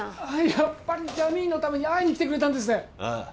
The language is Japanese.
やっぱりジャミーンのために会いに来てくれたんですねああ